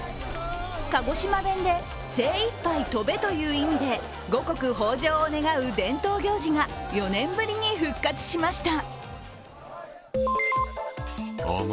鹿児島弁で、精一杯跳べという意味で五穀豊穣を願う伝統行事が４年ぶりに復活しました。